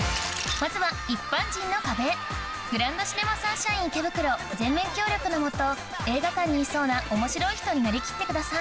まずは一般人の壁グランドシネマサンシャイン池袋全面協力の下映画館にいそうな面白い人になり切ってください